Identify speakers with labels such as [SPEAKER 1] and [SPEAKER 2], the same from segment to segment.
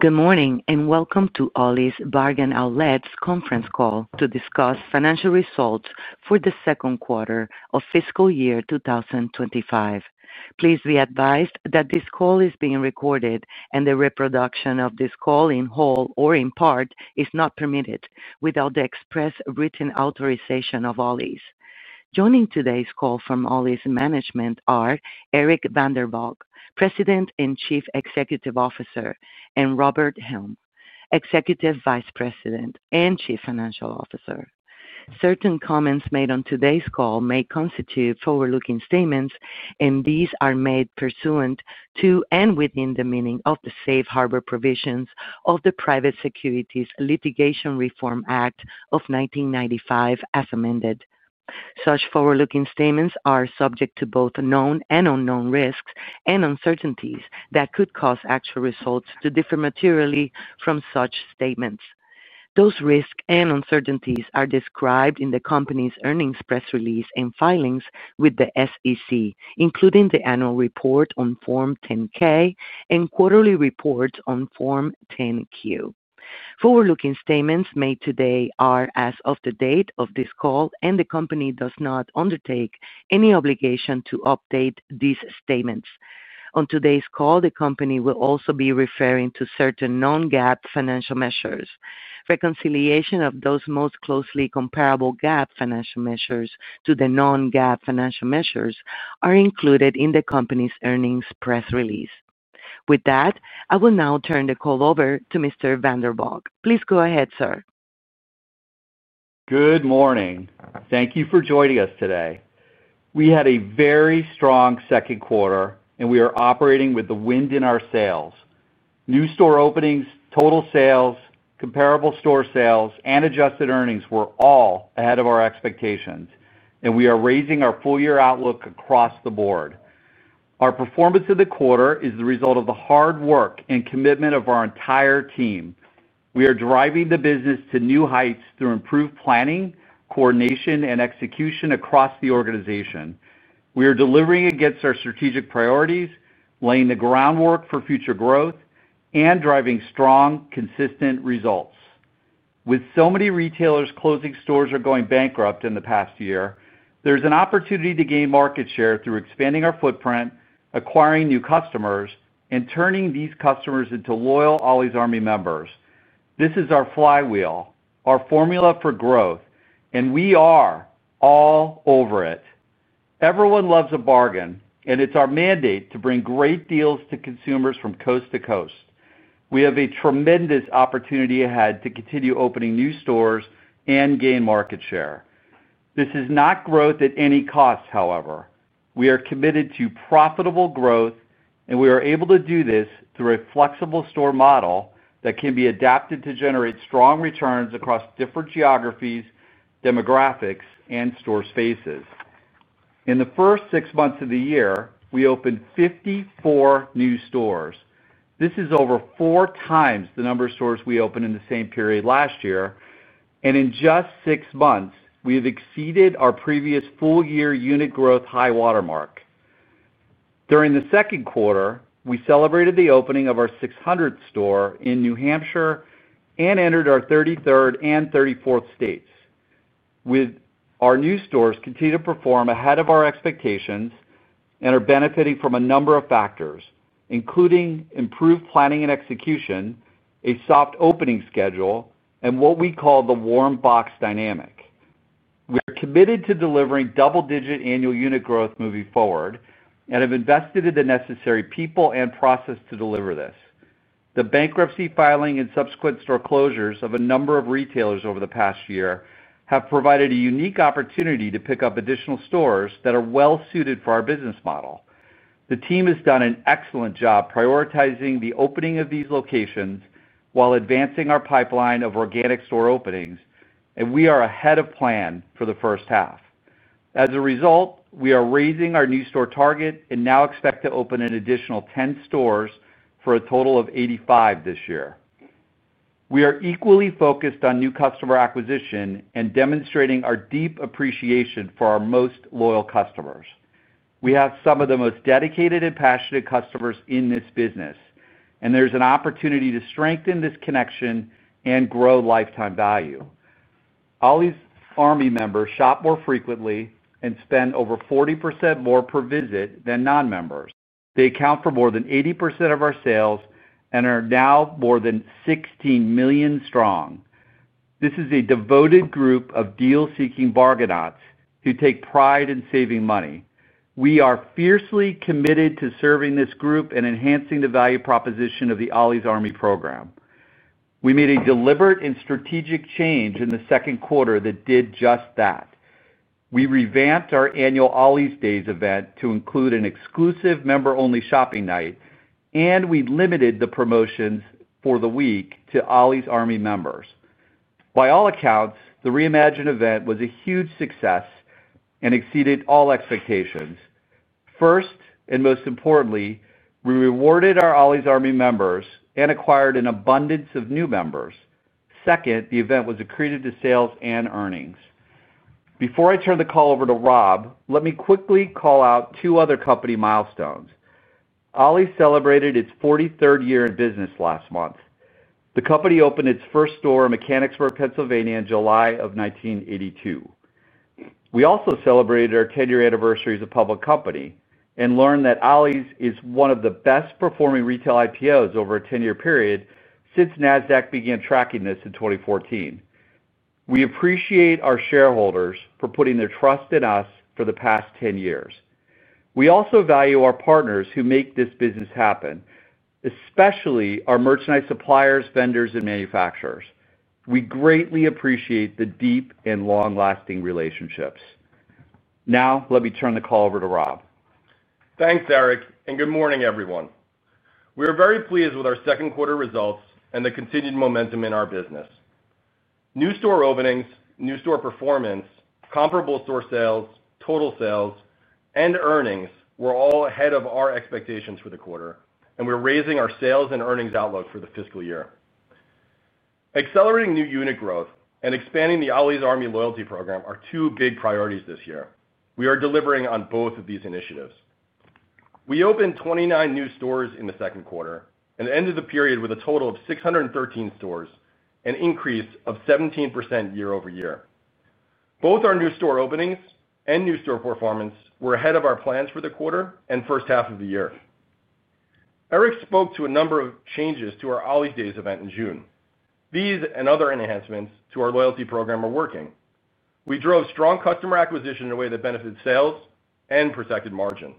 [SPEAKER 1] Good morning and welcome to Ollie's Bargain Outlet's Conference Call to Discuss Financial Results for the Second Quarter of Fiscal Year 2025. Please be advised that this call is being recorded, and the reproduction of this call in whole or in part is not permitted without the express written authorization of Ollie's. Joining today's call from Ollie's management are Eric van der Valk, President and Chief Executive Officer, and Robert Helm, Executive Vice President and Chief Financial Officer. Certain comments made on today's call may constitute forward-looking statements, and these are made pursuant to and within the meaning of the safe harbor provisions of the Private Securities Litigation Reform Act of 1995, as amended. Such forward-looking statements are subject to both known and unknown risks and uncertainties that could cause actual results to differ materially from such statements. Those risks and uncertainties are described in the company's earnings press release and filings with the SEC, including the annual report on Form 10-K and quarterly report on Form 10-Q. Forward-looking statements made today are as of the date of this call, and the company does not undertake any obligation to update these statements. On today's call, the company will also be referring to certain non-GAAP financial measures. Reconciliation of those most closely comparable GAAP financial measures to the non-GAAP financial measures are included in the company's earnings press release. With that, I will now turn the call over to Mr. van der Valk. Please go ahead, sir.
[SPEAKER 2] Good morning. Thank you for joining us today. We had a very strong second quarter, and we are operating with the wind in our sails. New store openings, total sales, comparable store sales, and adjusted earnings were all ahead of our expectations, and we are raising our full-year outlook across the board. Our performance of the quarter is the result of the hard work and commitment of our entire team. We are driving the business to new heights through improved planning, coordination, and execution across the organization. We are delivering against our strategic priorities, laying the groundwork for future growth, and driving strong, consistent results. With so many retailers closing stores or going bankrupt in the past year, there's an opportunity to gain market share through expanding our footprint, acquiring new customers, and turning these customers into loyal Ollie's Army members. This is our flywheel, our formula for growth, and we are all over it. Everyone loves a bargain, and it's our mandate to bring great deals to consumers from coast to coast. We have a tremendous opportunity ahead to continue opening new stores and gain market share. This is not growth at any cost, however. We are committed to profitable growth, and we are able to do this through a flexible store model that can be adapted to generate strong returns across different geographies, demographics, and store spaces. In the first six months of the year, we opened 54 new stores. This is over four times the number of stores we opened in the same period last year, and in just six months, we have exceeded our previous full-year unit growth high watermark. During the second quarter, we celebrated the opening of our 600th store in New Hampshire and entered our 33rd and 34th states. Our new stores continue to perform ahead of our expectations and are benefiting from a number of factors, including improved planning and execution, a soft opening schedule, and what we call the warm box dynamic. We are committed to delivering double-digit annual unit growth moving forward and have invested in the necessary people and process to deliver this. The bankruptcy filing and subsequent store closures of a number of retailers over the past year have provided a unique opportunity to pick up additional stores that are well suited for our business model. The team has done an excellent job prioritizing the opening of these locations while advancing our pipeline of organic store openings, and we are ahead of plan for the first half. As a result, we are raising our new store target and now expect to open an additional 10 stores for a total of 85 this year. We are equally focused on new customer acquisition and demonstrating our deep appreciation for our most loyal customers. We have some of the most dedicated and passionate customers in this business, and there's an opportunity to strengthen this connection and grow lifetime value. Ollie's Army members shop more frequently and spend over 40% more per visit than non-members. They account for more than 80% of our sales and are now more than 16 million strong. This is a devoted group of deal-seeking bargainots who take pride in saving money. We are fiercely committed to serving this group and enhancing the value proposition of the Ollie's Army program. We made a deliberate and strategic change in the second quarter that did just that. We revamped our annual Ollie's Days event to include an exclusive member-only shopping night, and we limited the promotions for the week to Ollie's Army members. By all accounts, the reimagined event was a huge success and exceeded all expectations. First and most importantly, we rewarded our Ollie's Army members and acquired an abundance of new members. Second, the event was accreted to sales and earnings. Before I turn the call over to Rob, let me quickly call out two other company milestones. Ollie's celebrated its 43rd year in business last month. The company opened its first store in Mechanicsburg, Pennsylvania, in July of 1982. We also celebrated our 10-year anniversary as a public company and learned that Ollie's is one of the best-performing retail IPOs over a 10-year period since Nasdaq began tracking this in 2014. We appreciate our shareholders for putting their trust in us for the past 10 years. We also value our partners who make this business happen, especially our merchandise suppliers, vendors, and manufacturers. We greatly appreciate the deep and long-lasting relationships. Now, let me turn the call over to Rob.
[SPEAKER 3] Thanks, Eric, and good morning, everyone. We are very pleased with our second quarter results and the continued momentum in our business. New store openings, new store performance, comparable store sales, total sales, and earnings were all ahead of our expectations for the quarter, and we're raising our sales and earnings outlook for the fiscal year. Accelerating new unit growth and expanding the Ollie's Army loyalty program are two big priorities this year. We are delivering on both of these initiatives. We opened 29 new stores in the second quarter and ended the period with a total of 613 stores, an increase of 17% year-over-year. Both our new store openings and new store performance were ahead of our plans for the quarter and first half of the year. Eric spoke to a number of changes to our Ollie's Days event in June. These and other enhancements to our loyalty program are working. We drove strong customer acquisition in a way that benefited sales and protected margin.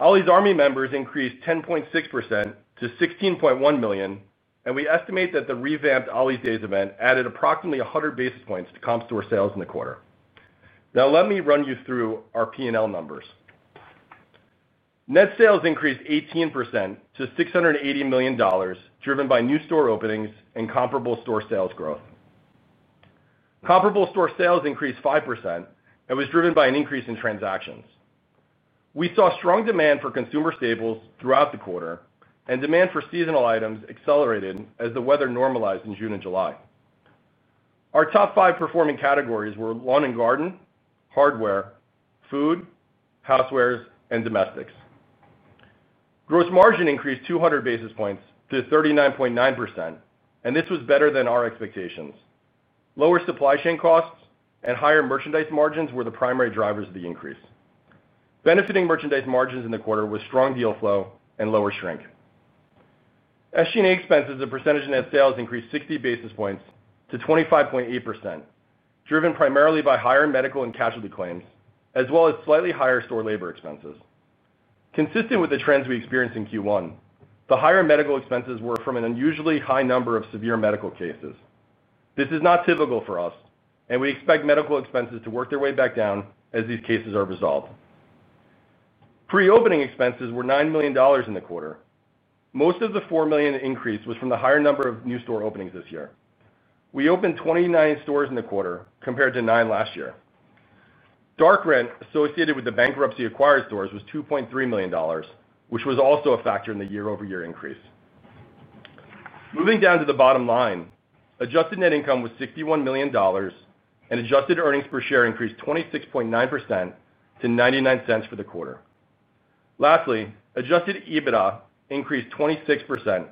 [SPEAKER 3] Ollie's Army members increased 10.6% to 16.1 million, and we estimate that the revamped Ollie's Days event added approximately 100 basis points to comp store sales in the quarter. Now, let me run you through our P&L numbers. Net sales increased 18% to $680 million, driven by new store openings and comparable store sales growth. Comparable store sales increased 5% and was driven by an increase in transactions. We saw strong demand for consumer staples throughout the quarter, and demand for seasonal items accelerated as the weather normalized in June and July. Our top five performing categories were lawn and garden, hardware, food, housewares, and domestics. Gross margin increased 200 basis points to 39.9%, and this was better than our expectations. Lower supply chain costs and higher merchandise margins were the primary drivers of the increase. Benefiting merchandise margins in the quarter was strong deal flow and lower shrink. SG&A expenses, as a percentage of net sales, increased 60 basis points to 25.8%, driven primarily by higher medical and casualty claims, as well as slightly higher store labor expenses. Consistent with the trends we experienced in Q1, the higher medical expenses were from an unusually high number of severe medical cases. This is not typical for us, and we expect medical expenses to work their way back down as these cases are resolved. Pre-opening expenses were $9 million in the quarter. Most of the $4 million increase was from the higher number of new store openings this year. We opened 29 stores in the quarter compared to nine last year. Dark rent associated with the bankruptcy-acquired stores was $2.3 million, which was also a factor in the year-over-year increase. Moving down to the bottom line, adjusted net income was $61 million, and adjusted earnings per share increased 26.9% to $0.99 for the quarter. Lastly, adjusted EBITDA increased 26%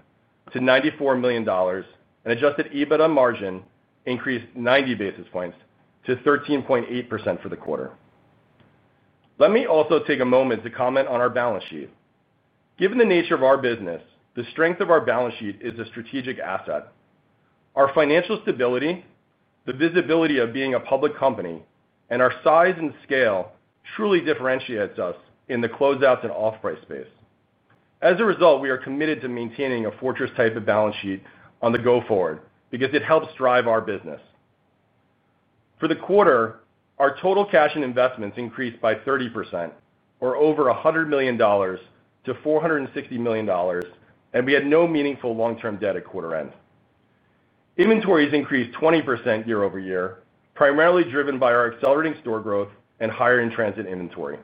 [SPEAKER 3] to $94 million, and adjusted EBITDA margin increased 90 basis points to 13.8% for the quarter. Let me also take a moment to comment on our balance sheet. Given the nature of our business, the strength of our balance sheet is a strategic asset. Our financial stability, the visibility of being a public company, and our size and scale truly differentiate us in the closeout merchandise and off-price retail sector. As a result, we are committed to maintaining a fortress type of balance sheet on the go forward because it helps drive our business. For the quarter, our total cash and investments increased by 30%, or over $100 million, to $460 million, and we had no meaningful long-term debt at quarter end. Inventories increased 20% year-over-year, primarily driven by our accelerating store growth and higher in transit inventory.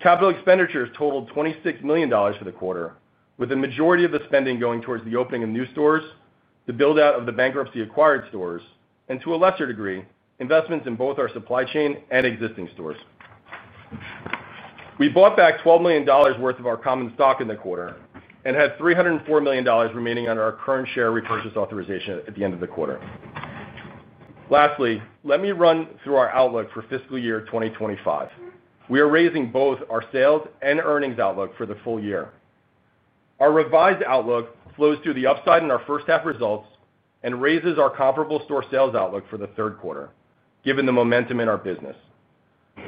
[SPEAKER 3] Capital expenditures totaled $26 million for the quarter, with the majority of the spending going towards the opening of new stores, the build-out of the bankruptcy-acquired stores, and to a lesser degree, investments in both our supply chain and existing stores. We bought back $12 million worth of our common stock in the quarter and had $304 million remaining under our current share repurchase authorization at the end of the quarter. Lastly, let me run through our outlook for fiscal year 2025. We are raising both our sales and earnings outlook for the full year. Our revised outlook flows through the upside in our first half results and raises our comparable store sales outlook for the third quarter, given the momentum in our business.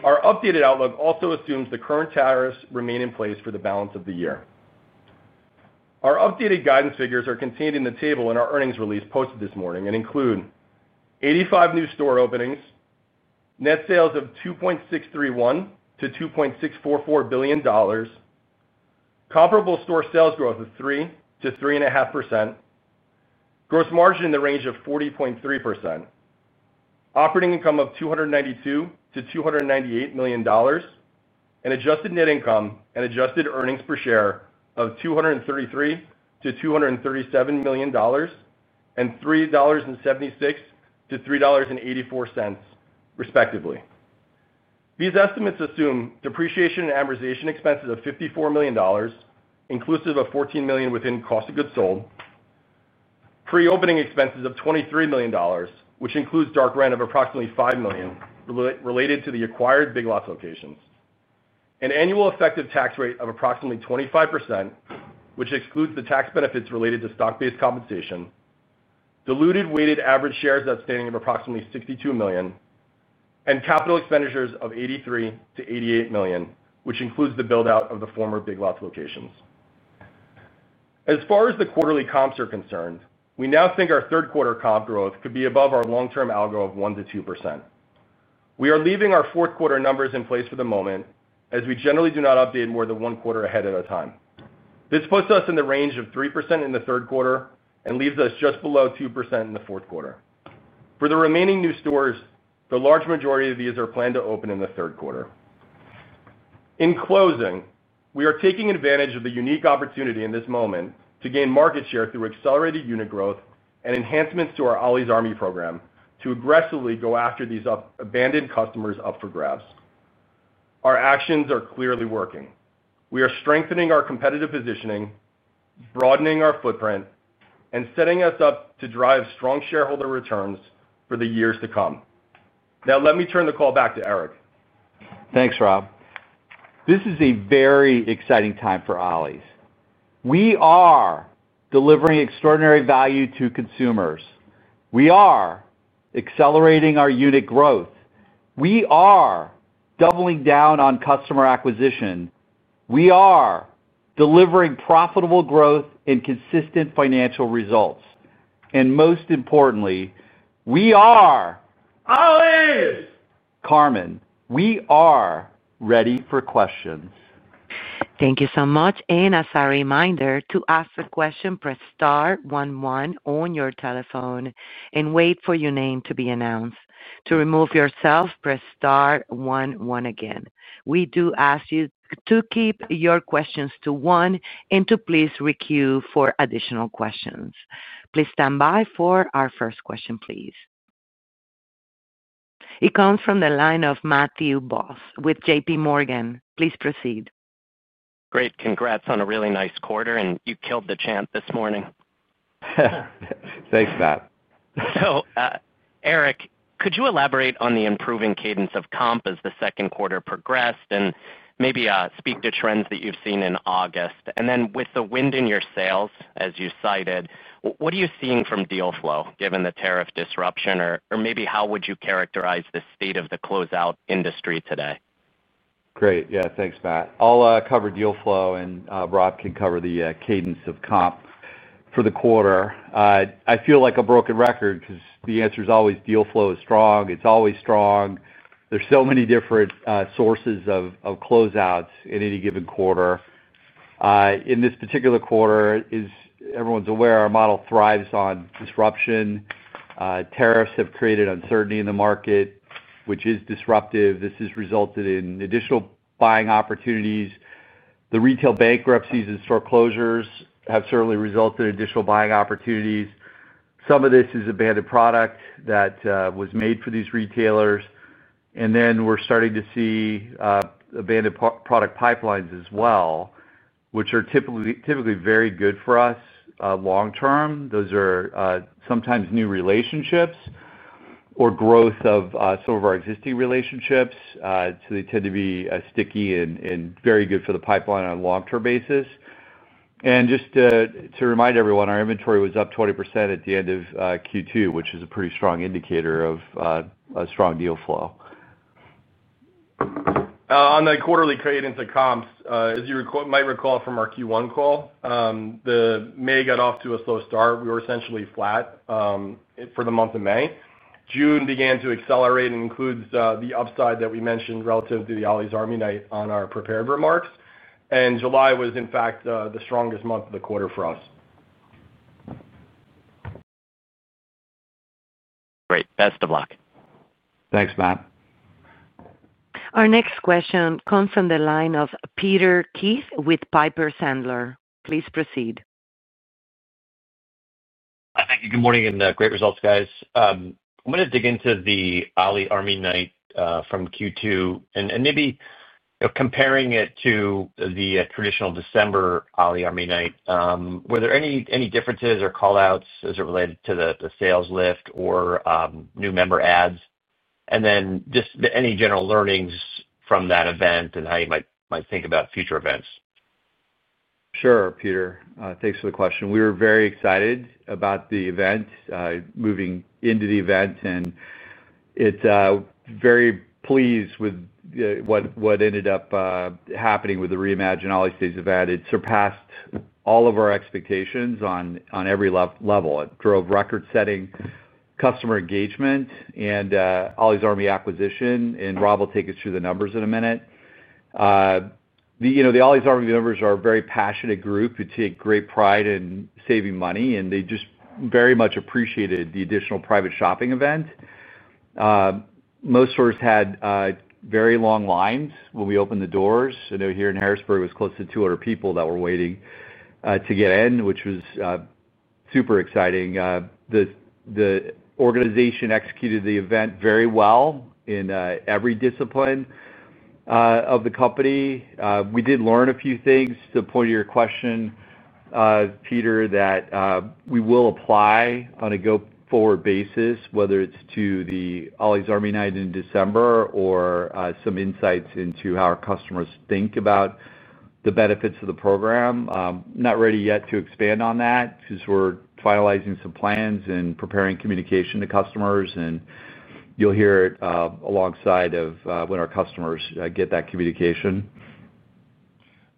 [SPEAKER 3] Our updated outlook also assumes the current tariffs remain in place for the balance of the year. Our updated guidance figures are contained in the table in our earnings release posted this morning and include 85 new store openings, net sales of $2.631 billion-$2.644 billion, comparable store sales growth of 3%-3.5%, gross margin in the range of 40.3%, operating income of $292 million-$298 million, and adjusted net income and adjusted earnings per share of $233 million-$237 million and $3.76-$3.84, respectively. These estimates assume depreciation and amortization expenses of $54 million, inclusive of $14 million within cost of goods sold, pre-opening expenses of $23 million, which includes dark rent of approximately $5 million related to the acquired Big Lots locations, an annual effective tax rate of approximately 25%, which excludes the tax benefits related to stock-based compensation, diluted weighted average shares outstanding of approximately 62 million, and capital expenditures of $83 million-$88 million, which includes the build-out of the former Big Lots locations. As far as the quarterly comps are concerned, we now think our third quarter comp growth could be above our long-term algo of 1%-to 2%. We are leaving our fourth quarter numbers in place for the moment, as we generally do not update more than one quarter ahead at a time. This puts us in the range of 3% in the third quarter and leaves us just below 2% in the fourth quarter. For the remaining new stores, the large majority of these are planned to open in the third quarter. In closing, we are taking advantage of the unique opportunity in this moment to gain market share through accelerated unit growth and enhancements to our Ollie's Army program to aggressively go after these abandoned customers up for grabs. Our actions are clearly working. We are strengthening our competitive positioning, broadening our footprint, and setting us up to drive strong shareholder returns for the years to come. Now, let me turn the call back to Eric.
[SPEAKER 2] Thanks, Rob. This is a very exciting time for Ollie's. We are delivering extraordinary value to consumers. We are accelerating our unit growth, we are doubling down on customer acquisition, we are delivering profitable growth and consistent financial results. Most importantly, we are Ollie's. Carmen, we are ready for questions.
[SPEAKER 1] Thank you so much. As a reminder, to ask a question, press star one one on your telephone and wait for your name to be announced. To remove yourself, press star one one again. We do ask you to keep your questions to one and to please requeue for additional questions. Please stand by for our first question. It comes from the line of Matthew Boss with JPMorgan. Please proceed.
[SPEAKER 4] Great. Congrats on a really nice quarter, and you killed the chant this morning.
[SPEAKER 2] Thanks, Matt.
[SPEAKER 4] Eric, could you elaborate on the improving cadence of comp as the second quarter progressed and maybe speak to trends that you've seen in August? With the wind in your sails, as you cited, what are you seeing from deal flow given the tariff disruption? Maybe how would you characterize the state of the closeout industry today?
[SPEAKER 2] Great. Yeah, thanks, Matt. I'll cover deal flow, and Rob can cover the cadence of comp for the quarter. I feel like a broken record because the answer is always deal flow is strong. It's always strong. There are so many different sources of closeout merchandise in any given quarter. In this particular quarter, as everyone's aware, our store model thrives on disruption. Tariffs have created uncertainty in the market, which is disruptive. This has resulted in additional buying opportunities. The retail bankruptcies and store closures have certainly resulted in additional buying opportunities. Some of this is abandoned product that was made for these retailers. We are starting to see abandoned product pipelines as well, which are typically very good for us long term. Those are sometimes new relationships or growth of some of our existing relationships. They tend to be sticky and very good for the pipeline on a long-term basis. Just to remind everyone, our inventory was up 20% at the end of Q2, which is a pretty strong indicator of a strong deal flow.
[SPEAKER 3] On the quarterly cadence of comps, as you might recall from our Q1 call, May got off to a slow start. We were essentially flat for the month of May. June began to accelerate and includes the upside that we mentioned relative to the Ollie's Army Night on our prepared remarks. July was, in fact, the strongest month of the quarter for us.
[SPEAKER 4] Great. Best of luck.
[SPEAKER 2] Thanks, Matt.
[SPEAKER 1] Our next question comes from the line of Peter Keith with Piper Sandler. Please proceed.
[SPEAKER 5] Thank you. Good morning and great results, guys. I'm going to dig into the Ollie's Army Night from Q2 and maybe comparing it to the traditional December Ollie's Army Night. Were there any differences or callouts as it related to the sales lift or new member adds? Any general learnings from that event and how you might think about future events?
[SPEAKER 2] Sure, Peter. Thanks for the question. We were very excited about the event, moving into the event, and very pleased with what ended up happening with the reimagined Ollie's Days event. It surpassed all of our expectations on every level. It drove record-setting customer engagement and Ollie's Army acquisition. Rob will take us through the numbers in a minute. The Ollie's Army members are a very passionate group who take great pride in saving money, and they just very much appreciated the additional private shopping event. Most stores had very long lines when we opened the doors. I know here in Harrisburg, it was close to 200 people that were waiting to get in, which was super exciting. The organization executed the event very well in every discipline of the company. We did learn a few things to the point of your question, Peter, that we will apply on a go-forward basis, whether it's to the Ollie's Army Night in December or some insights into how our customers think about the benefits of the program. Not ready yet to expand on that because we're finalizing some plans and preparing communication to customers. You'll hear it alongside of when our customers get that communication.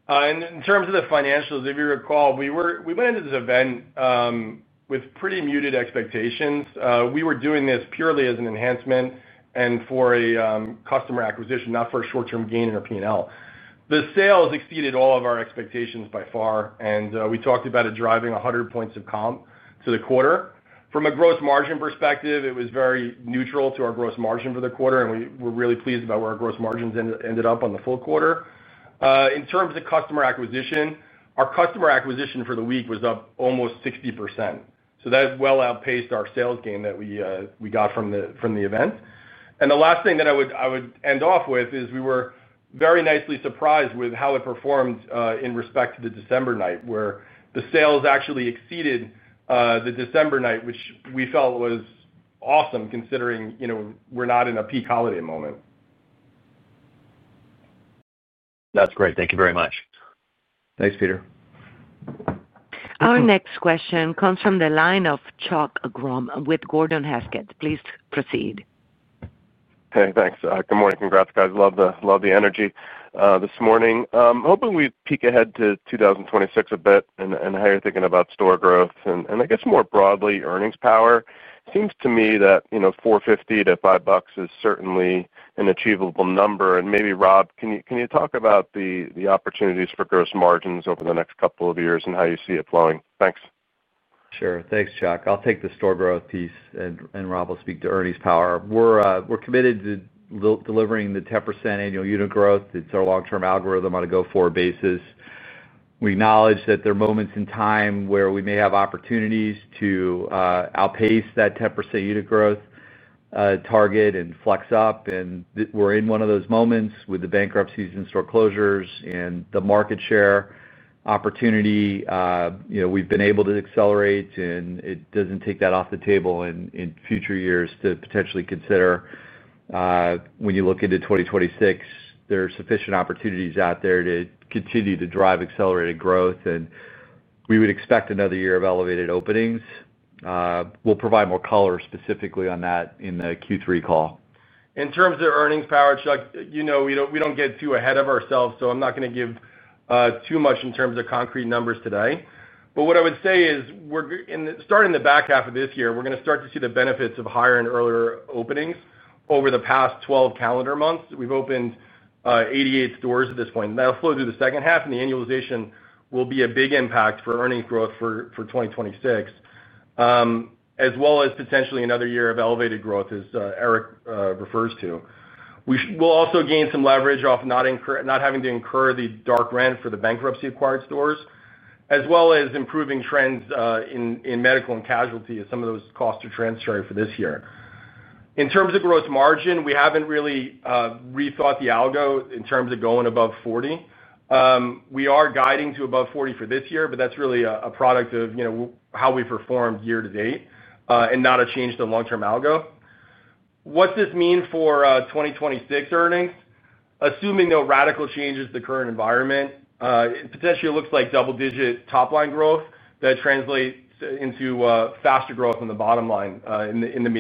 [SPEAKER 3] In terms of the financials, if you recall, we went into this event with pretty muted expectations. We were doing this purely as an enhancement and for a customer acquisition, not for a short-term gain in our P&L. The sales exceeded all of our expectations by far, and we talked about it driving 100 points of comp to the quarter. From a gross margin perspective, it was very neutral to our gross margin for the quarter, and we were really pleased about where our gross margins ended up on the full quarter. In terms of customer acquisition, our customer acquisition for the week was up almost 60%. That well outpaced our sales gain that we got from the event. The last thing that I would end off with is we were very nicely surprised with how it performed in respect to the December night, where the sales actually exceeded the December night, which we felt was awesome considering we're not in a peak holiday moment.
[SPEAKER 5] That's great. Thank you very much.
[SPEAKER 2] Thanks, Peter.
[SPEAKER 1] Our next question comes from the line of Chuck Grom with Gordon Haskett. Please proceed.
[SPEAKER 6] Hey, thanks. Good morning. Congrats, guys. Love the energy this morning. I'm hoping we peek ahead to 2026 a bit and how you're thinking about store growth. I guess more broadly, earnings power. It seems to me that $4.50-$5.00 is certainly an achievable number. Maybe, Rob, can you talk about the opportunities for gross margins over the next couple of years and how you see it flowing? Thanks.
[SPEAKER 2] Sure. Thanks, Chuck. I'll take the store growth piece, and Rob will speak to earnings power. We're committed to delivering the 10% annual unit growth. It's our long-term algorithm on a go-forward basis. We acknowledge that there are moments in time where we may have opportunities to outpace that 10% unit growth target and flex up. We're in one of those moments with the bankruptcies and store closures and the market share opportunity. We've been able to accelerate, and it doesn't take that off the table in future years to potentially consider. When you look into 2026, there are sufficient opportunities out there to continue to drive accelerated growth. We would expect another year of elevated openings. We'll provide more color specifically on that in the Q3 call.
[SPEAKER 3] In terms of earnings power, Chuck, you know we don't get too ahead of ourselves, so I'm not going to give too much in terms of concrete numbers today. What I would say is, starting the back half of this year, we're going to start to see the benefits of higher and earlier openings over the past 12 calendar months. We've opened 88 stores at this point. That'll flow through the second half, and the annualization will be a big impact for earning growth for 2026, as well as potentially another year of elevated growth, as Eric refers to. We'll also gain some leverage off not having to incur the dark rent for the bankruptcy-acquired stores, as well as improving trends in medical and casualty as some of those costs are transitory for this year. In terms of gross margin, we haven't really rethought the algo in terms of going above $40. We are guiding to above $40 for this year, but that's really a product of how we performed year to date and not a change to the long-term algo. What's this mean for 2026 earnings? Assuming no radical changes to the current environment, it potentially looks like double-digit top-line growth that translates into faster growth on the bottom line in the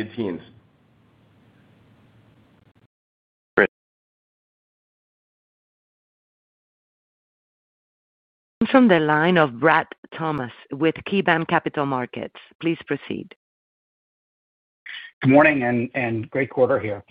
[SPEAKER 3] mid-teens.
[SPEAKER 6] Great.
[SPEAKER 1] From the line of Brad Thomas with KeyBanc Capital Markets. Please proceed.
[SPEAKER 7] Morning and great quarter here.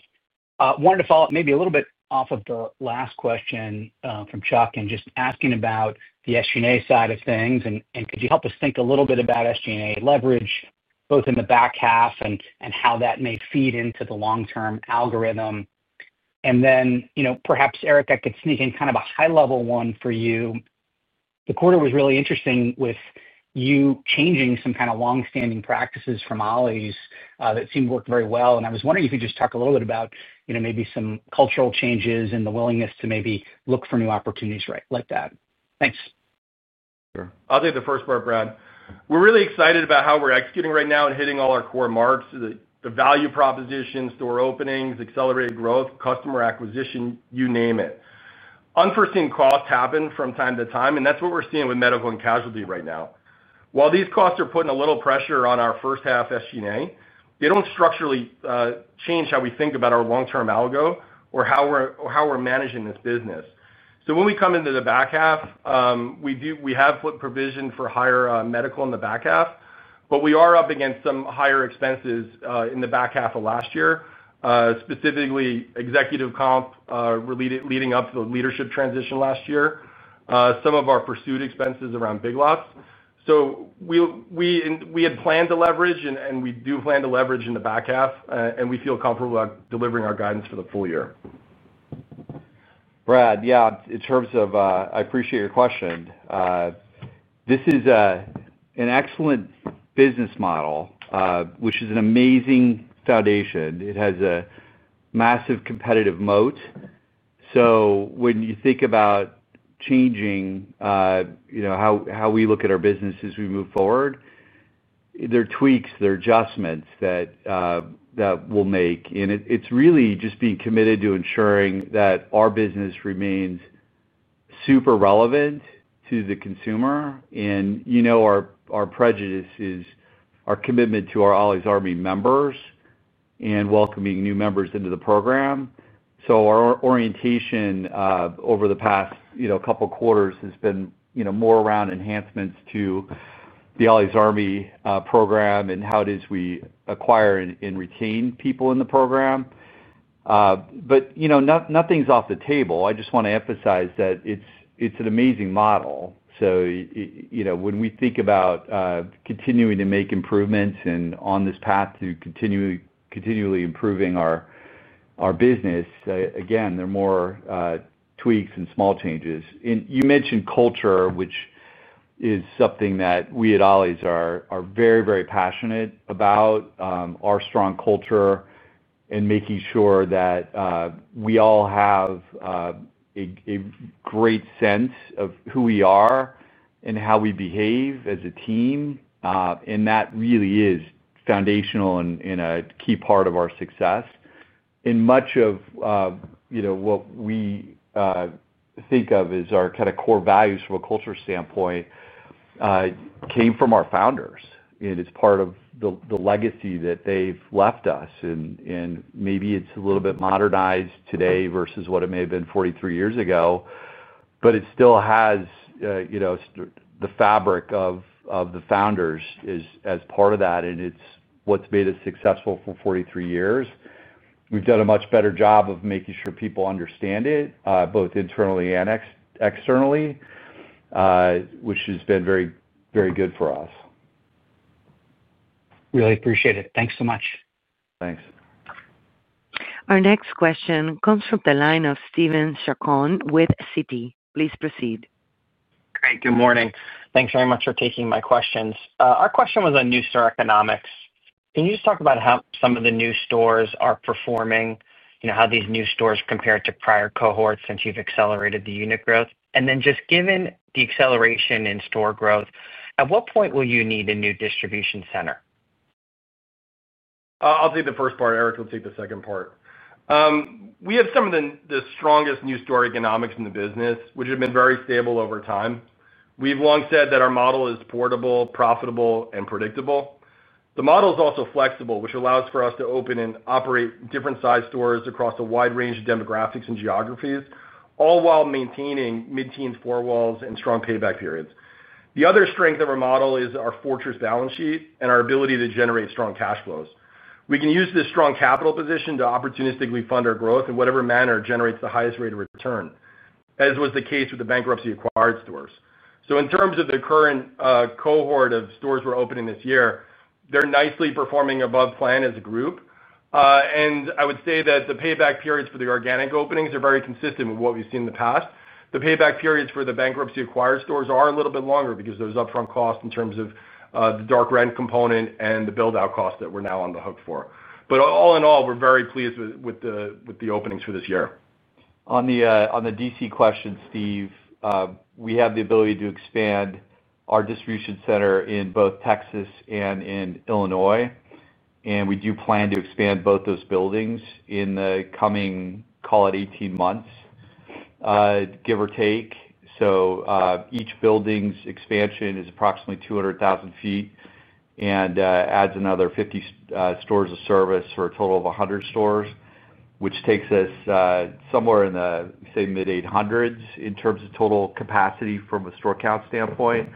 [SPEAKER 7] I wanted to follow up maybe a little bit off of the last question from Chuck and just asking about the SG&A side of things. Could you help us think a little bit about SG&A leverage both in the back half and how that may feed into the long-term algorithm? Perhaps, Eric, I could sneak in kind of a high-level one for you. The quarter was really interesting with you changing some kind of longstanding practices from Ollie's that seemed to work very well. I was wondering if you could just talk a little bit about maybe some cultural changes and the willingness to maybe look for new opportunities like that. Thanks.
[SPEAKER 3] Sure. I'll take the first part, Brad. We're really excited about how we're executing right now and hitting all our core marks: the value proposition, store openings, accelerated growth, customer acquisition, you name it. Unforeseen costs happen from time to time, and that's what we're seeing with medical and casualty right now. While these costs are putting a little pressure on our first half SG&A, they don't structurally change how we think about our long-term algo or how we're managing this business. When we come into the back half, we have put provision for higher medical in the back half, but we are up against some higher expenses in the back half of last year, specifically executive comp leading up to the leadership transition last year, some of our pursued expenses around Big Lots. We had planned to leverage, and we do plan to leverage in the back half, and we feel comfortable delivering our guidance for the full year.
[SPEAKER 2] Brad, yeah, in terms of I appreciate your question. This is an excellent business model, which is an amazing foundation. It has a massive competitive moat. When you think about changing how we look at our business as we move forward, there are tweaks, there are adjustments that we'll make. It's really just being committed to ensuring that our business remains super relevant to the consumer. You know our prejudice is our commitment to our Ollie's Army members and welcoming new members into the program. Our orientation over the past couple of quarters has been more around enhancements to the Ollie's Army program and how it is we acquire and retain people in the program. Nothing's off the table. I just want to emphasize that it's an amazing model. When we think about continuing to make improvements and on this path to continually improving our business, again, there are more tweaks and small changes. You mentioned culture, which is something that we at Ollie's are very, very passionate about, our strong culture, and making sure that we all have a great sense of who we are and how we behave as a team. That really is foundational and a key part of our success. Much of what we think of as our kind of core values from a culture standpoint came from our founders. It's part of the legacy that they've left us. Maybe it's a little bit modernized today versus what it may have been 43 years ago, but it still has the fabric of the founders as part of that. It's what's made us successful for 43 years. We've done a much better job of making sure people understand it, both internally and externally, which has been very, very good for us.
[SPEAKER 7] Really appreciate it. Thanks so much.
[SPEAKER 2] Thanks.
[SPEAKER 1] Our next question comes from the line of Steven Zaccone with Citi. Please proceed.
[SPEAKER 8] Great. Good morning. Thanks very much for taking my questions. Our question was on new store economics. Can you just talk about how some of the new stores are performing? You know how these new stores compared to prior cohorts since you've accelerated the unit growth? Given the acceleration in store growth, at what point will you need a new distribution center?
[SPEAKER 3] I'll take the first part. Eric will take the second part. We have some of the strongest new store economics in the business, which have been very stable over time. We've long said that our model is portable, profitable, and predictable. The model is also flexible, which allows for us to open and operate different-sized stores across a wide range of demographics and geographies, all while maintaining mid-teens four walls and strong payback periods. The other strength of our model is our fortress balance sheet and our ability to generate strong cash flows. We can use this strong capital position to opportunistically fund our growth in whatever manner generates the highest rate of return, as was the case with the bankruptcy-acquired stores. In terms of the current cohort of stores we're opening this year, they're nicely performing above plan as a group. I would say that the payback periods for the organic openings are very consistent with what we've seen in the past. The payback periods for the bankruptcy-acquired stores are a little bit longer because there's upfront cost in terms of the dark rent component and the build-out cost that we're now on the hook for. All in all, we're very pleased with the openings for this year.
[SPEAKER 2] On the DC question, Steve, we have the ability to expand our distribution center in both Texas and in Illinois. We do plan to expand both those buildings in the coming, call it 18 months, give or take. Each building's expansion is approximately 200,000 ft and adds another 50 stores of service for a total of 100 stores, which takes us somewhere in the, say, mid-800s in terms of total capacity from a store count standpoint.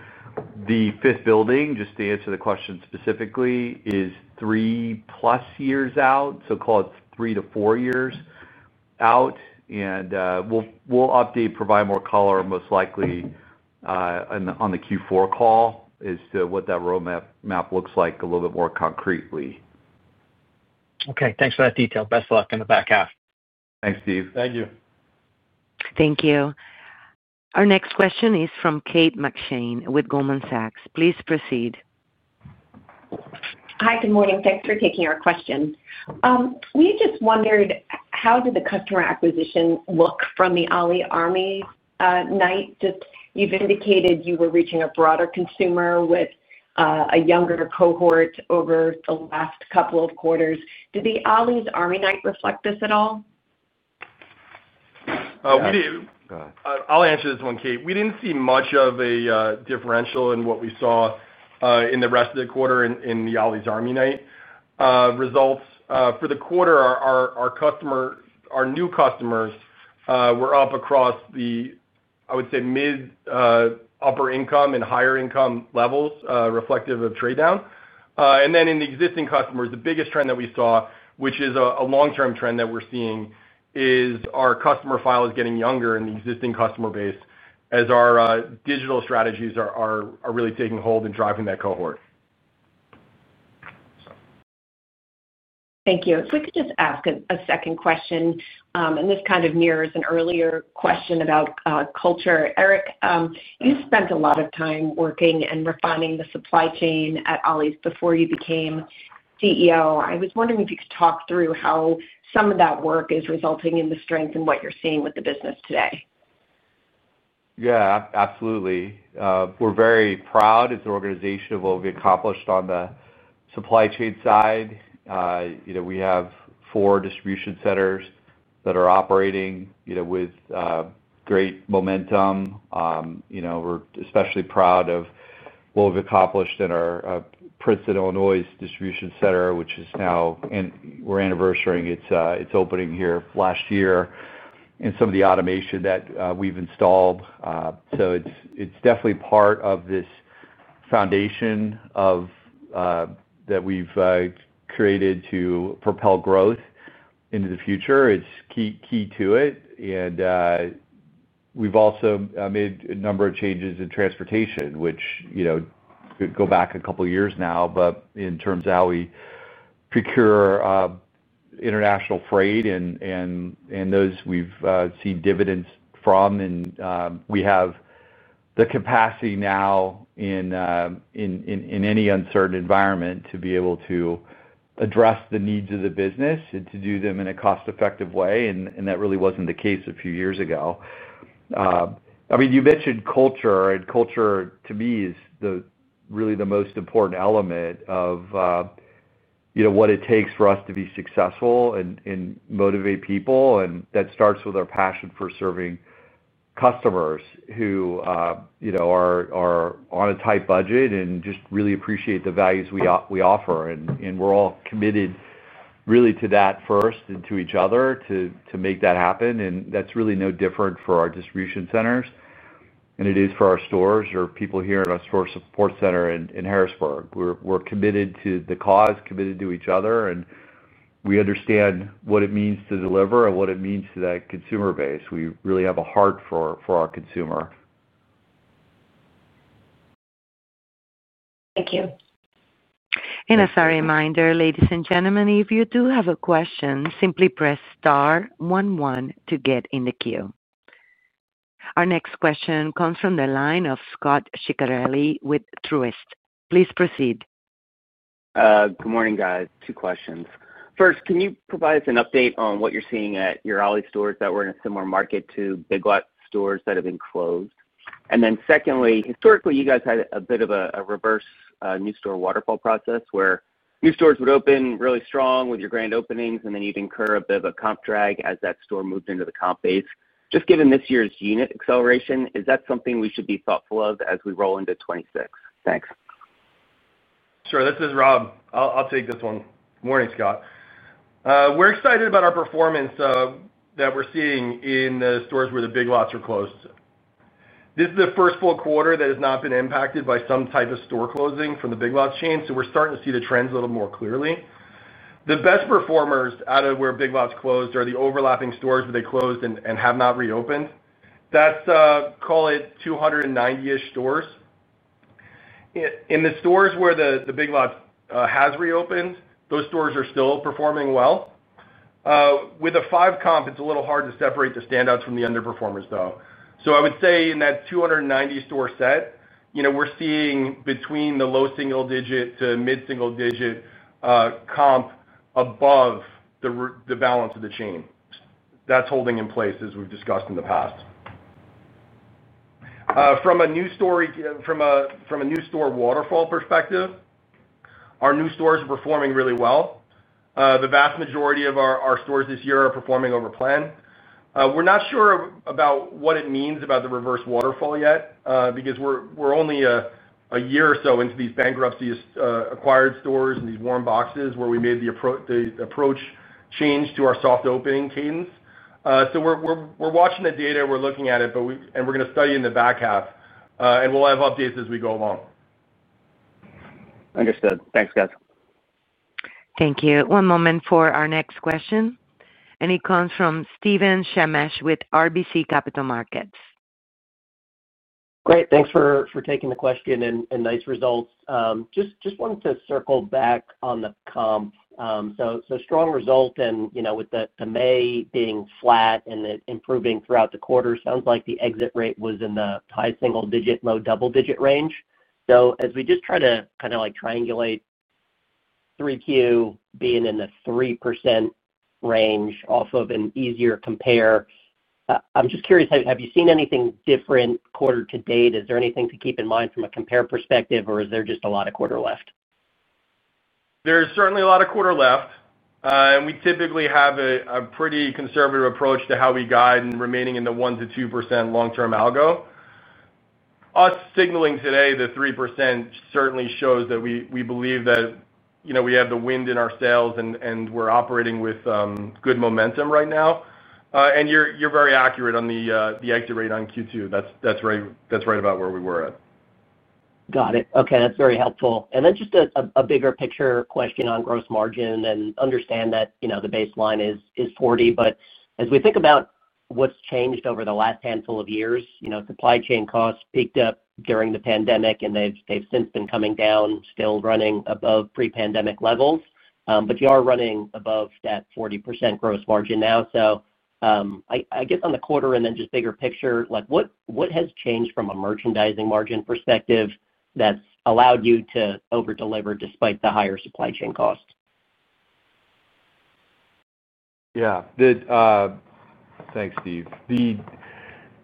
[SPEAKER 2] The fifth building, just to answer the question specifically, is three-plus years out, so call it three to four years out. We'll update, provide more color, most likely on the Q4 call as to what that roadmap looks like a little bit more concretely.
[SPEAKER 8] Okay, thanks for that detail. Best of luck in the back half.
[SPEAKER 2] Thanks, Steve.
[SPEAKER 3] Thank you.
[SPEAKER 1] Thank you. Our next question is from Kate McShane with Goldman Sachs. Please proceed.
[SPEAKER 9] Hi. Good morning. Thanks for taking our question. We just wondered, how did the customer acquisition look from the Ollie's Army Night? You've indicated you were reaching a broader consumer with a younger cohort over the last couple of quarters. Did the Ollie's Army Night reflect this at all?
[SPEAKER 3] We didn't.
[SPEAKER 2] Go ahead.
[SPEAKER 3] I'll answer this one, Kate. We didn't see much of a differential in what we saw in the rest of the quarter in the Ollie's Army Night. Results for the quarter, our new customers were up across the, I would say, mid-upper income and higher income levels reflective of trade down. In the existing customers, the biggest trend that we saw, which is a long-term trend that we're seeing, is our customer file is getting younger in the existing customer base as our digital strategies are really taking hold and driving that cohort.
[SPEAKER 9] Thank you. If we could just ask a second question, and this kind of mirrors an earlier question about culture. Eric, you spent a lot of time working and refining the supply chain at Ollie's before you became CEO. I was wondering if you could talk through how some of that work is resulting in the strength and what you're seeing with the business today.
[SPEAKER 2] Yeah, absolutely. We're very proud as an organization of what we accomplished on the supply chain side. We have four distribution centers that are operating with great momentum. We're especially proud of what we've accomplished in our Princeton, Illinois distribution center, which is now, and we're anniversary of its opening here last year, and some of the automation that we've installed. It's definitely part of this foundation that we've created to propel growth into the future. It's key to it. We've also made a number of changes in transportation, which could go back a couple of years now, but in terms of how we procure international freight and those we've seen dividends from. We have the capacity now in any uncertain environment to be able to address the needs of the business and to do them in a cost-effective way. That really wasn't the case a few years ago. You mentioned culture, and culture, to me, is really the most important element of what it takes for us to be successful and motivate people. That starts with our passion for serving customers who are on a tight budget and just really appreciate the values we offer. We're all committed really to that first and to each other to make that happen. That's really no different for our distribution centers than it is for our stores or people here at our store support center in Harrisburg. We're committed to the cause, committed to each other, and we understand what it means to deliver and what it means to that consumer base. We really have a heart for our consumer.
[SPEAKER 9] Thank you.
[SPEAKER 1] As a reminder, ladies and gentlemen, if you do have a question, simply press star one one to get in the queue. Our next question comes from the line of Scot Ciccarelli with Truist. Please proceed.
[SPEAKER 10] Good morning, guys. Two questions. First, can you provide us an update on what you're seeing at your Ollie's stores that were in a similar market to Big Lots stores that have been closed? Secondly, historically, you guys had a bit of a reverse new store waterfall process where new stores would open really strong with your grand openings, and then you'd incur a bit of a comp drag as that store moved into the comp base. Just given this year's unit acceleration, is that something we should be thoughtful of as we roll into 2026? Thanks.
[SPEAKER 3] Sure. This is Rob. I'll take this one. Morning, Scot. We're excited about our performance that we're seeing in the stores where the Big Lots are closed. This is the first full quarter that has not been impacted by some type of store closing from the Big Lots chain, so we're starting to see the trends a little more clearly. The best performers out of where Big Lots closed are the overlapping stores where they closed and have not reopened. That's, call it, 290-ish stores. In the stores where the Big Lots have reopened, those stores are still performing well. With a five comp, it's a little hard to separate the standouts from the underperformers, though. I would say in that 290-store set, we're seeing between the low single-digit to mid-single-digit comp above the balance of the chain. That's holding in place, as we've discussed in the past. From a new store waterfall perspective, our new stores are performing really well. The vast majority of our stores this year are performing over plan. We're not sure about what it means about the reverse waterfall yet because we're only a year or so into these bankruptcy-acquired stores and these warm boxes where we made the approach change to our soft opening cadence. We're watching the data, we're looking at it, and we're going to study in the back half, and we'll have updates as we go along.
[SPEAKER 10] Understood. Thanks, guys.
[SPEAKER 1] Thank you. One moment for our next question. It comes from Steven Shemesh with RBC Capital Markets.
[SPEAKER 11] Great. Thanks for taking the question and nice results. Just wanted to circle back on the comp. Strong result, and you know with May being flat and improving throughout the quarter, it sounds like the exit rate was in the high single-digit, low double-digit range. As we just try to kind of like triangulate 3Q being in the 3% range off of an easier compare, I'm just curious, have you seen anything different quarter to date? Is there anything to keep in mind from a compare perspective, or is there just a lot of quarter left?
[SPEAKER 3] There is certainly a lot of quarter left. We typically have a pretty conservative approach to how we guide and remaining in the 1%-2% long-term algo. Us signaling today the 3% certainly shows that we believe that we have the wind in our sails and we're operating with good momentum right now. You're very accurate on the exit rate on Q2. That's right about where we were at.
[SPEAKER 11] Got it. Okay. That's very helpful. Just a bigger picture question on gross margin. I understand that the baseline is 40%, but as we think about what's changed over the last handful of years, supply chain costs peaked up during the pandemic, and they've since been coming down, still running above pre-pandemic levels. You are running above that 40% gross margin now. I guess on the quarter and just bigger picture, what has changed from a merchandising margin perspective that's allowed you to overdeliver despite the higher supply chain cost?
[SPEAKER 2] Yeah. Thanks, Steve.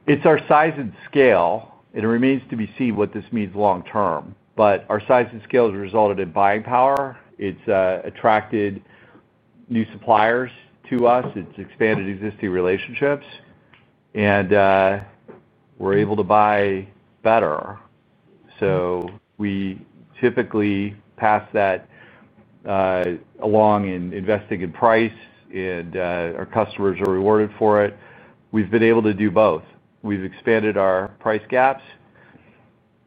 [SPEAKER 2] It's our size and scale, and it remains to be seen what this means long term. Our size and scale has resulted in buying power. It's attracted new suppliers to us. It's expanded existing relationships, and we're able to buy better. We typically pass that along and invest in price, and our customers are rewarded for it. We've been able to do both. We've expanded our price gaps,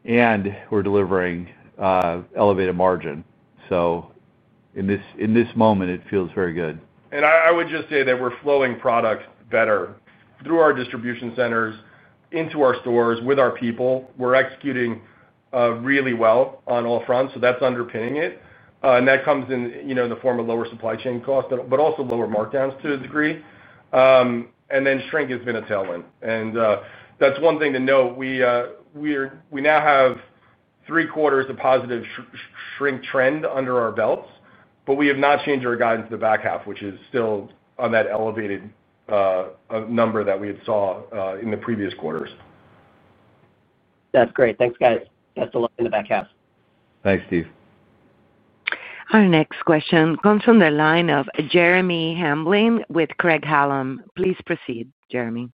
[SPEAKER 2] and we're delivering elevated margin. In this moment, it feels very good.
[SPEAKER 3] I would just say that we're flowing product better through our distribution centers into our stores with our people. We're executing really well on all fronts, so that's underpinning it. That comes in the form of lower supply chain costs, but also lower markdowns to a degree. Shrink has been a tailwind. That's one thing to note. We now have three quarters of positive shrink trend under our belts, but we have not changed our guidance in the back half, which is still on that elevated number that we had seen in the previous quarters.
[SPEAKER 11] That's great. Thanks, guys. That's a lot in the back half.
[SPEAKER 2] Thanks, Steve.
[SPEAKER 1] Our next question comes from the line of Jeremy Hamblin with Craig-Hallum. Please proceed, Jeremy.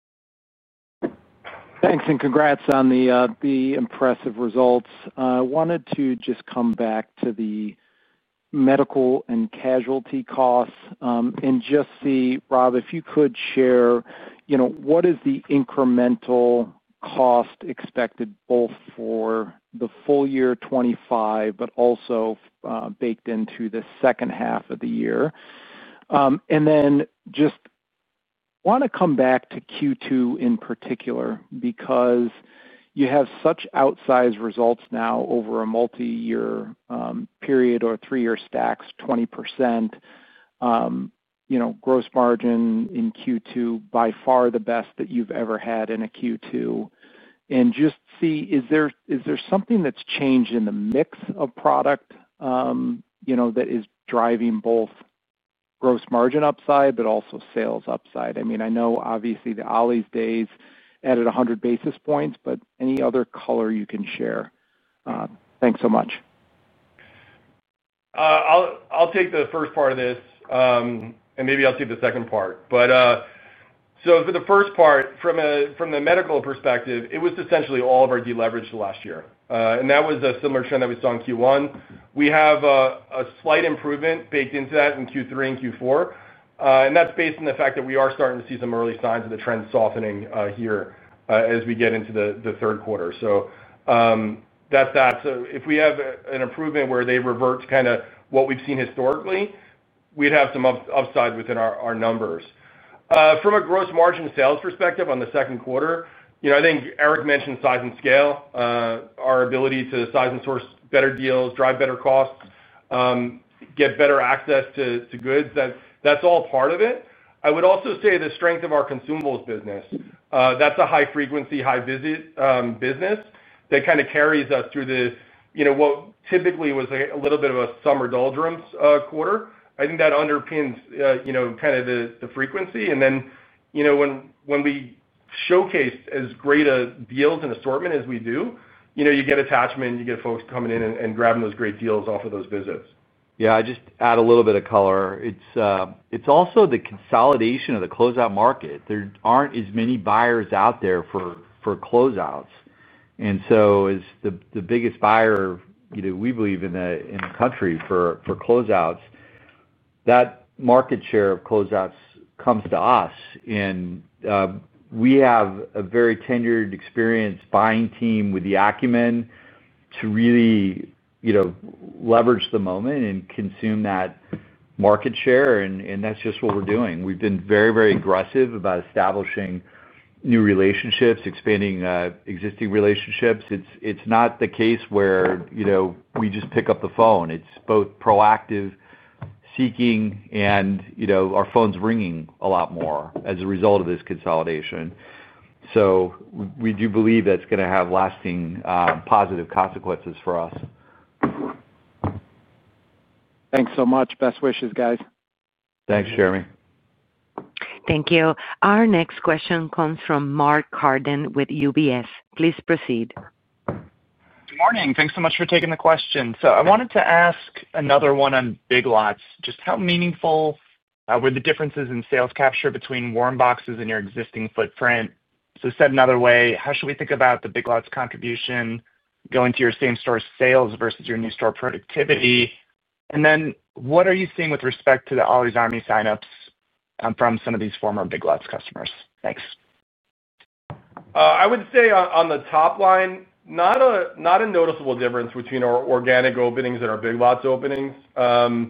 [SPEAKER 12] Thanks, and congrats on the impressive results. I wanted to just come back to the medical and casualty costs and just see, Rob, if you could share what is the incremental cost expected both for the full year 2025, but also baked into the second half of the year? I just want to come back to Q2 in particular because you have such outsized results now over a multi-year period or three-year stacks, 20%. Gross margin in Q2 by far the best that you've ever had in a Q2. Is there something that's changed in the mix of product that is driving both gross margin upside, but also sales upside? I know, obviously, the Ollie's Days added 100 basis points, but any other color you can share? Thanks so much.
[SPEAKER 3] I'll take the first part of this, and maybe I'll take the second part. For the first part, from the medical perspective, it was essentially all of our deleverage last year. That was a similar trend that we saw in Q1. We have a slight improvement baked into that in Q3 and Q4. That's based on the fact that we are starting to see some early signs of the trend softening here as we get into the third quarter. If we have an improvement where they revert to kind of what we've seen historically, we'd have some upside within our numbers. From a gross margin sales perspective on the second quarter, I think Eric mentioned size and scale, our ability to size and source better deals, drive better costs, get better access to goods. That's all part of it. I would also say the strength of our consumables business. That's a high-frequency, high-visit business that kind of carries us through what typically was a little bit of a summer doldrums quarter. I think that underpins kind of the frequency. When we showcase as great deals and assortment as we do, you get attachment, you get folks coming in and grabbing those great deals off of those visits.
[SPEAKER 2] Yeah, I just add a little bit of color. It's also the consolidation of the closeout market. There aren't as many buyers out there for closeouts. As the biggest buyer, we believe in the country for closeouts, that market share of closeouts comes to us. We have a very tenured, experienced buying team with the acumen to really leverage the moment and consume that market share. That's just what we're doing. We've been very, very aggressive about establishing new relationships, expanding existing relationships. It's not the case where we just pick up the phone. It's both proactive seeking and our phone's ringing a lot more as a result of this consolidation. We do believe that's going to have lasting positive consequences for us.
[SPEAKER 12] Thanks so much. Best wishes, guys.
[SPEAKER 2] Thanks, Jeremy.
[SPEAKER 1] Thank you. Our next question comes from Mark Carden with UBS. Please proceed.
[SPEAKER 13] Morning. Thanks so much for taking the question. I wanted to ask another one on Big Lots. Just how meaningful were the differences in sales capture between warm boxes and your existing footprint? Said another way, how should we think about the Big Lots contribution going to your same store's sales versus your new store productivity? What are you seeing with respect to the Ollie's Army signups from some of these former Big Lots customers? Thanks.
[SPEAKER 3] I would say on the top line, not a noticeable difference between our organic openings and our Big Lots openings. A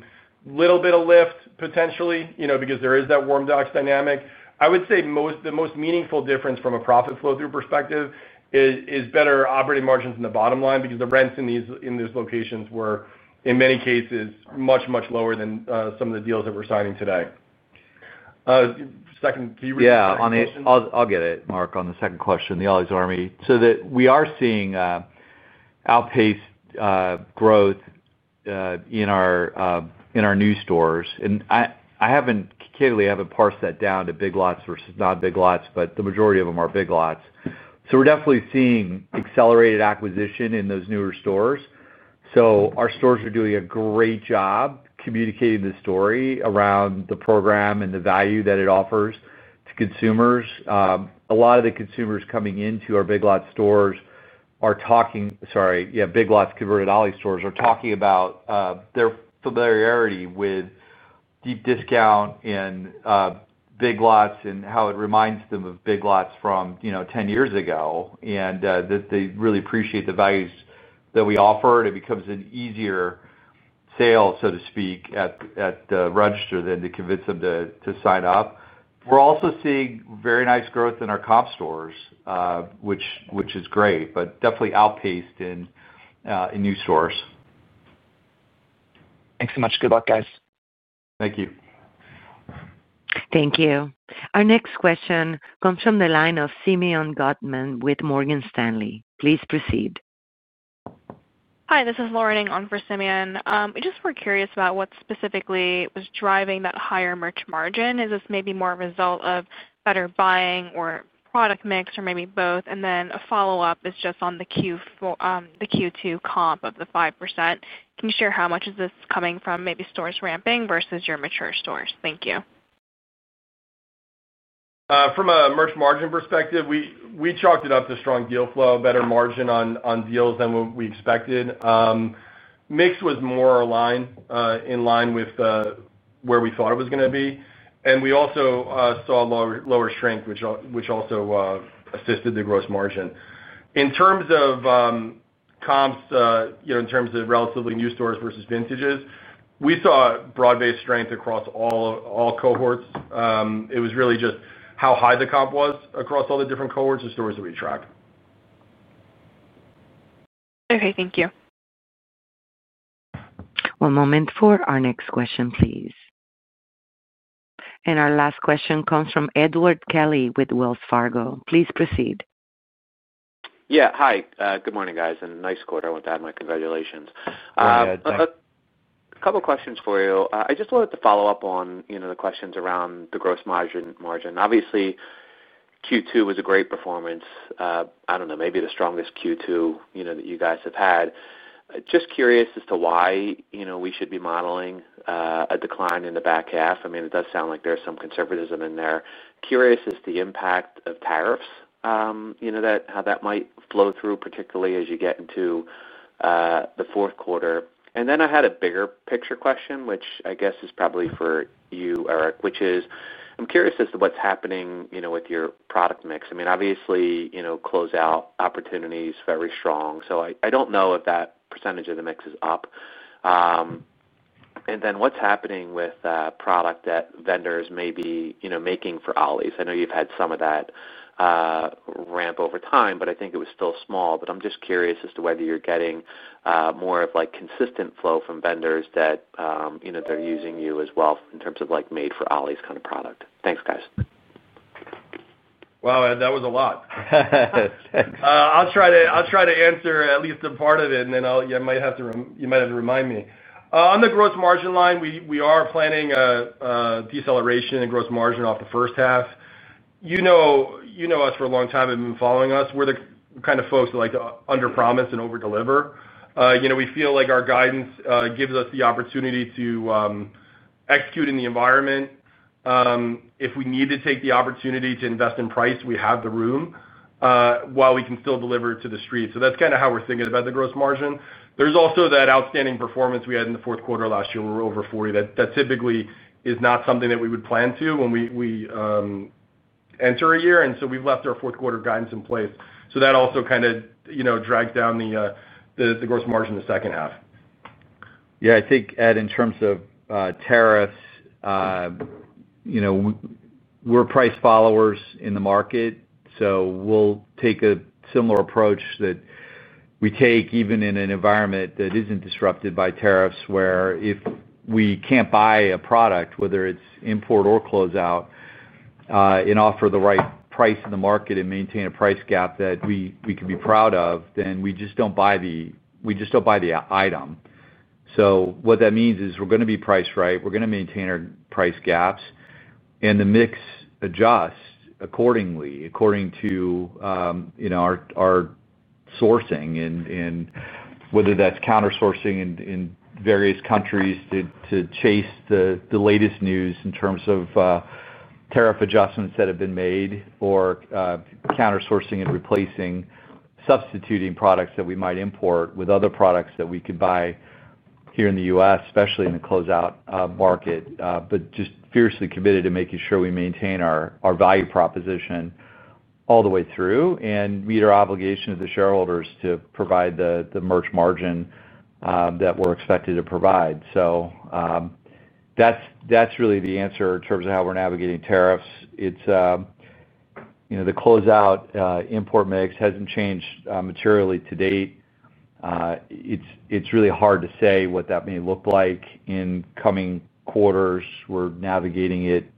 [SPEAKER 3] little bit of lift potentially, you know, because there is that warm ducks dynamic. I would say the most meaningful difference from a profit flow-through perspective is better operating margins in the bottom line because the rents in these locations were, in many cases, much, much lower than some of the deals that we're signing today. Second, can you repeat?
[SPEAKER 2] Yeah, on it. I'll get it, Mark, on the second question, the Ollie's Army. We are seeing outpaced growth in our new stores. I haven't particularly parsed that down to Big Lots versus non-Big Lots, but the majority of them are Big Lots. We're definitely seeing accelerated acquisition in those newer stores. Our stores are doing a great job communicating the story around the program and the value that it offers to consumers. A lot of the consumers coming into our converted Ollie's stores are talking about their familiarity with deep discount and Big Lots and how it reminds them of Big Lots from 10 years ago and that they really appreciate the values that we offer. It becomes an easier sale, so to speak, at the register to convince them to sign up. We're also seeing very nice growth in our comp stores, which is great, but definitely outpaced in new stores.
[SPEAKER 13] Thanks so much. Good luck, guys.
[SPEAKER 2] Thank you.
[SPEAKER 1] Thank you. Our next question comes from the line of Simeon Gutman with Morgan Stanley. Please proceed.
[SPEAKER 14] Hi. This is Lauren Ng on for Simeon. We just were curious about what specifically was driving that higher merch margin. Is this maybe more a result of better buying or product mix or maybe both? A follow-up is just on the Q2 comp of the 5%. Can you share how much of this is coming from maybe stores ramping versus your mature stores? Thank you.
[SPEAKER 3] From a merch margin perspective, we chalked it up to strong deal flow, better margin on deals than what we expected. Mix was more in line with where we thought it was going to be. We also saw lower shrink, which also assisted the gross margin. In terms of comps, in terms of relatively new stores versus vintages, we saw broad-based strength across all cohorts. It was really just how high the comp was across all the different cohorts of stores that we track.
[SPEAKER 14] Okay, thank you.
[SPEAKER 1] One moment for our next question, please. Our last question comes from Edward Kelly with Wells Fargo. Please proceed.
[SPEAKER 15] Yeah. Hi. Good morning, guys, and nice quarter. I wanted to add my congratulations.
[SPEAKER 2] Hey, Ed. Thanks.
[SPEAKER 15] A couple of questions for you. I just wanted to follow up on the questions around the gross margin. Obviously, Q2 was a great performance. I don't know, maybe the strongest Q2 that you guys have had. Just curious as to why we should be modeling a decline in the back half. It does sound like there's some conservatism in there. Curious as to the impact of tariffs, you know, how that might flow through, particularly as you get into the fourth quarter. I had a bigger picture question, which I guess is probably for you, Eric, which is I'm curious as to what's happening with your product mix. Obviously, closeout opportunities are very strong. I don't know if that percentage of the mix is up. What's happening with product that vendors may be making for Ollie's? I know you've had some of that ramp over time, but I think it was still small. I'm just curious as to whether you're getting more of a consistent flow from vendors that are using you as well in terms of like made-for-Ollie's kind of product. Thanks, guys.
[SPEAKER 3] Wow, Ed, that was a lot. I'll try to answer at least a part of it, and then you might have to remind me. On the gross margin line, we are planning a deceleration in gross margin off the first half. You know us for a long time. You've been following us. We're the kind of folks that like to under-promise and over-deliver. We feel like our guidance gives us the opportunity to execute in the environment. If we need to take the opportunity to invest in price, we have the room while we can still deliver to the street. That's kind of how we're thinking about the gross margin. There's also that outstanding performance we had in the fourth quarter last year. We were over 40%. That typically is not something that we would plan to when we enter a year. We have left our fourth quarter guidance in place. That also kind of drags down the gross margin in the second half.
[SPEAKER 2] Yeah, I think, Ed, in terms of tariffs, we're price followers in the market. We take a similar approach that we take even in an environment that isn't disrupted by tariffs, where if we can't buy a product, whether it's import or closeout, and offer the right price in the market and maintain a price gap that we could be proud of, then we just don't buy the item. That means we're going to be priced right. We're going to maintain our price gaps, and the mix adjusts accordingly according to our sourcing and whether that's countersourcing in various countries to chase the latest news in terms of tariff adjustments that have been made or countersourcing and replacing, substituting products that we might import with other products that we could buy here in the U.S., especially in the closeout market. We're fiercely committed to making sure we maintain our value proposition all the way through and meet our obligation to the shareholders to provide the merch margin that we're expected to provide. That's really the answer in terms of how we're navigating tariffs. The closeout import mix hasn't changed materially to date. It's really hard to say what that may look like in coming quarters. We're navigating it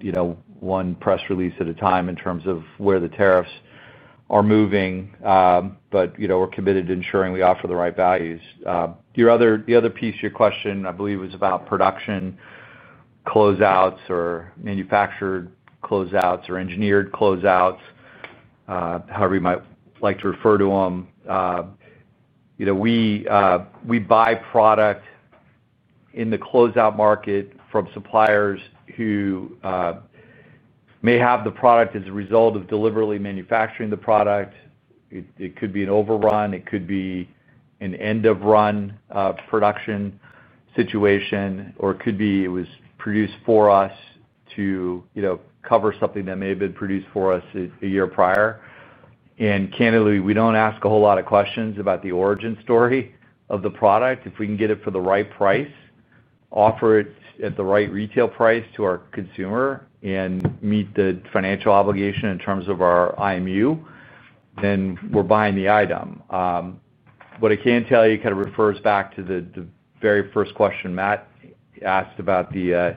[SPEAKER 2] one press release at a time in terms of where the tariffs are moving. We're committed to ensuring we offer the right values. The other piece of your question, I believe, was about production closeouts or manufactured closeouts or engineered closeouts, however you might like to refer to them. We buy product in the closeout market from suppliers who may have the product as a result of deliberately manufacturing the product. It could be an overrun. It could be an end-of-run production situation, or it could be it was produced for us to cover something that may have been produced for us a year prior. Candidly, we don't ask a whole lot of questions about the origin story of the product. If we can get it for the right price, offer it at the right retail price to our consumer, and meet the financial obligation in terms of our IMU, then we're buying the item. What I can tell you, kind of refers back to the very first question Matt asked about the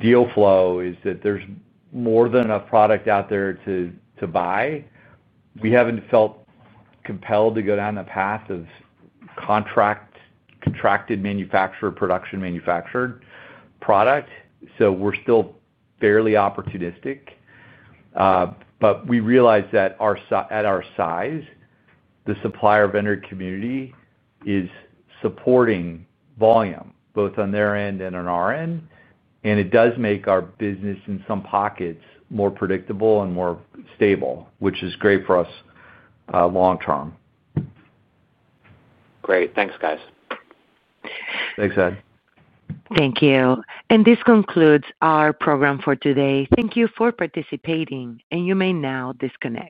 [SPEAKER 2] deal flow, is that there's more than enough product out there to buy. We haven't felt compelled to go down the path of contracted manufactured production manufactured product. We're still fairly opportunistic. We realize that at our size, the supplier-vendor community is supporting volume both on their end and on our end. It does make our business in some pockets more predictable and more stable, which is great for us long term.
[SPEAKER 15] Great, thanks, guys.
[SPEAKER 2] Thanks, Ed.
[SPEAKER 1] Thank you. This concludes our program for today. Thank you for participating, and you may now disconnect.